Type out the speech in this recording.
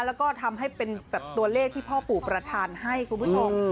แล้วก็ทำให้เป็นแบบตัวเลขที่พ่อปู่ประธานให้คุณผู้ชม